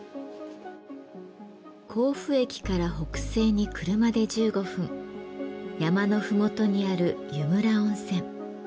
甲府駅から北西に車で１５分山の麓にある湯村温泉。